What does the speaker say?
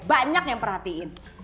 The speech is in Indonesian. banyak yang perhatiin